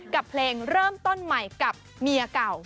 กับเพลงเริ่มต้นใหม่กับเมียเก่า